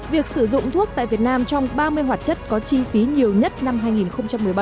việc sử dụng thuốc tại việt nam trong ba mươi hoạt chất có chi phí nhiều nhất năm hai nghìn một mươi bảy